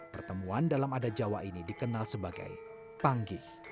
pertemuan dalam adat jawa ini dikenal sebagai panggih